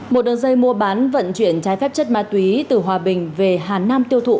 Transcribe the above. một đường dây mua bán vận chuyển trái phép chất ma túy từ hòa bình về hà nam tiêu thụ